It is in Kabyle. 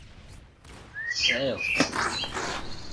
Tesɛiḍ-t.